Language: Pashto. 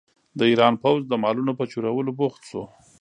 د ایران پوځ د مالونو په چورولو بوخت شو.